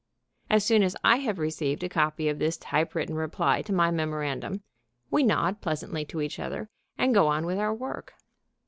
As soon as I have received a copy of this typewritten reply to my memorandum we nod pleasantly to each other and go on with our work.